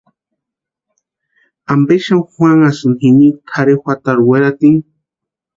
¿Ampe xani juanhasïni jini tʼarhe juatarhu weratini?